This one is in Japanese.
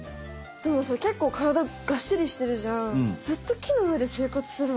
でもさけっこう体がっしりしてるじゃん。